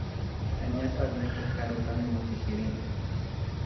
Añashpa asnayka karutami mutkirin